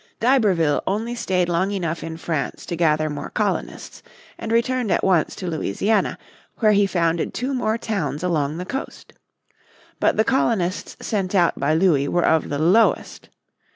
D'Iberville only stayed long enough in France to gather more colonists and returned at once to Louisiana, where he founded two more towns along the coast. But the colonists sent out by Louis were of the lowest.